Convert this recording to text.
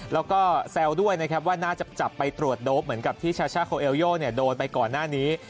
แล้วก็แซวด้วยนะครับว่าน่าจะจับไปตรวจโดปเหมือนกับที่ชาช่าโคเอลโยโดนไปก่อนหน้านี้